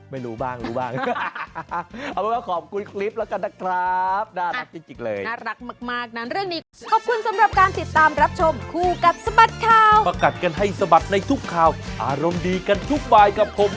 ไม่รู้บ้างเอาไว้ว่าขอบคุณคลิปแล้วกันนะครับน่ารักจริงเลย